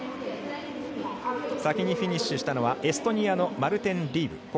先にフィニッシュしたのはエストニアのマルテン・リーブ。